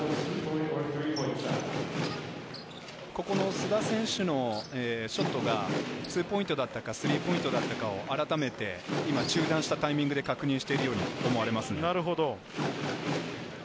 須田選手のショットが、ツーポイントだったか、スリーポイントだったかをあらためて中断したタイミングで確認しているように思われます。